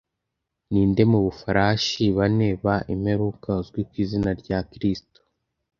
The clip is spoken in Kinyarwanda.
Ninde mu Bafarashi bane ba imperuka uzwi ku izina rya Kristo